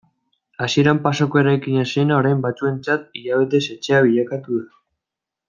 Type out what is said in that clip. Hasieran pasoko eraikina zena orain batzuentzat hilabetez etxea bilakatu da.